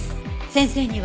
先生には。